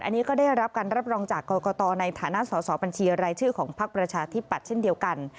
อันนี้ก็ได้รับการรับรองจากกรกตในฐานะสอสอบัญชีรายชื่อของพักประชาธิปัตย์เช่นเดียวกัน